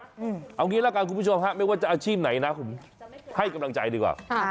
เอางี้ละกันคุณผู้ชมฮะไม่ว่าจะอาชีพไหนนะผมให้กำลังใจดีกว่า